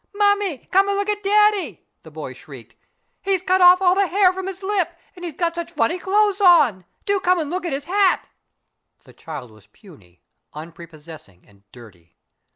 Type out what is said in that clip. "Mummy, come and look at Daddy!" the boy shrieked. "He's cut off all the hair from his lip and he's got such funny clothes on! Do come and look at his hat!" The child was puny, unprepossessing, and dirty.